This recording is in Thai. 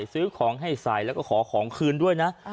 ซื้อของให้ใส่แล้วก็ขอของคืนด้วยนะ